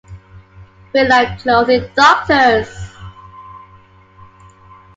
We're like clothing doctors.